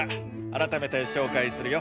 改めて紹介するよ。